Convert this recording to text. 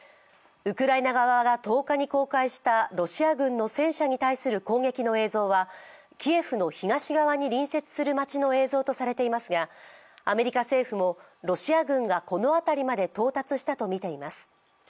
ウクライナ側が１０日に公開したロシア軍の戦車に対する攻撃の映像はキエフの東側に隣接する街の映像とされていますがアメリカ政府もロシア軍がこの辺りまで到達したとみています。